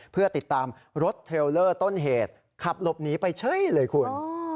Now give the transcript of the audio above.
เพื่อติดตามรถเทลเลอร์ต้นเหตุขับหลบหนีไปเฉยเลยคุณ